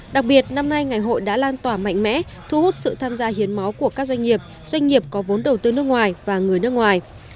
đặc biệt năm nay ngày hội đã lan tỏa mạnh mẽ thu hút sự tham gia hiến máu của các doanh nghiệp doanh nghiệp có vốn đầu tư nước ngoài và người nước ngoài